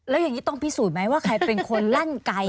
แล้วอย่างนี้ต้องพิสูจน์ไหมว่าใครเป็นคนลั่นไกล